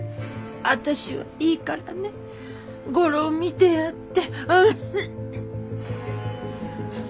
私はいいからね吾良を見てやって。